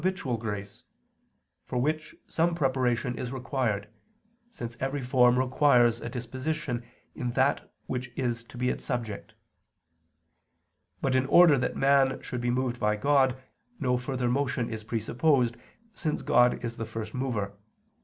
3: This objection regards habitual grace, for which some preparation is required, since every form requires a disposition in that which is to be its subject. But in order that man should be moved by God, no further motion is presupposed since God is the First Mover.